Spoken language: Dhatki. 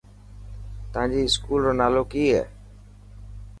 تانجي اسڪوول رو نالو ڪي هي.